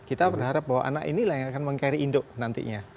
kita berharap bahwa anak ini akan meng carry induk nantinya